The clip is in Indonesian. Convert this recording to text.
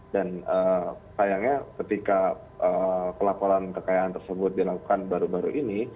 dan sayangnya ketika pelaporan kekayaan tersebut dilakukan baru baru ini